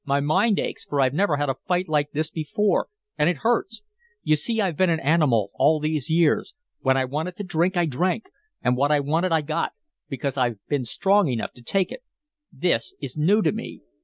My mind aches, for I've never had a fight like this before and it hurts. You see, I've been an animal all these years. When I wanted to drink, I drank, and what I wanted, I got, because I've been strong enough to take it. This is new to me.